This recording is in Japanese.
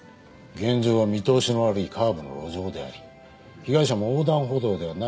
現場は見通しの悪いカーブの路上であり被害者も横断歩道ではない場所を渡ったわけで。